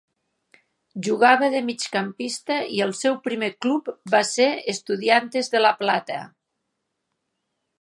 Jugava de migcampista i el seu primer club va ser Estudiantes de la Plata.